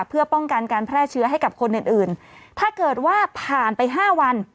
เพื่อป้องกันการแพร่เชื้อให้กับคนอื่นอื่นถ้าเกิดว่าผ่านไปห้าวัน